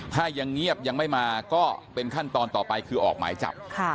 ถ้ายังเงียบยังไม่มาก็เป็นขั้นตอนต่อไปคือออกหมายจับ